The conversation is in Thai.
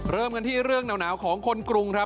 เริ่มกันที่เรื่องหนาวของคนกรุงครับ